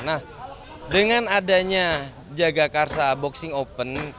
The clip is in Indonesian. nah dengan adanya jagakarsa boxing open